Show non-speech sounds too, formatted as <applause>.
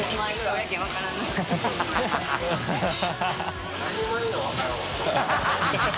ハハハ <laughs>